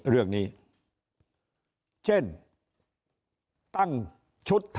เรื่องนี้เช่นตั้งชุด